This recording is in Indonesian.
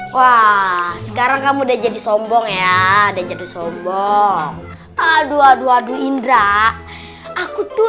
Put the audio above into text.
wah sekarang kamu udah jadi sombong ya udah jadi sombong aduh aduh indra aku tuh